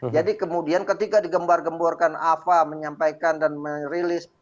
jadi kemudian ketika digembar gemborkan afa menyampaikan dan merilis